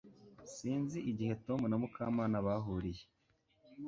Sinzi igihe Tom na Mukamana bahuriye